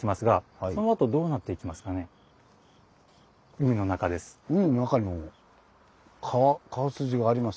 海の中です。